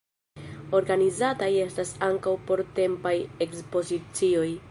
Organizataj estas ankaŭ portempaj ekspozicioj.